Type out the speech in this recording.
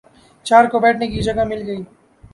چار کو بیٹھنے کی جگہ مل گئی